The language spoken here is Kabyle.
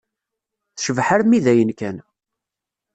Tecbeḥ armi d ayen kan.